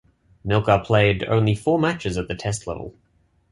Milkha played only four matches at the Test level.